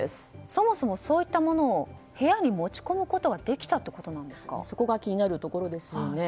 そもそもそういったものを部屋に持ち込むことがそこが気になるところですよね。